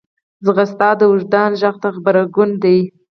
منډه د وجدان غږ ته غبرګون دی